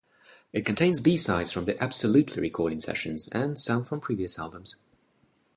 It contains B-sides from the "Absolutely" recording sessions and some from previous albums.